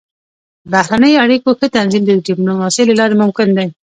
د بهرنیو اړیکو ښه تنظیم د ډيپلوماسۍ له لارې ممکن دی.